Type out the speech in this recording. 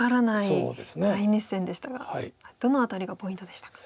大熱戦でしたがどの辺りがポイントでしたか。